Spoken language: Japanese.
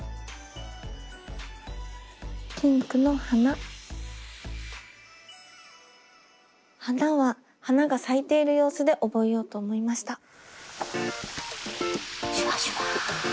「花」は花が咲いている様子で覚えようと思いました。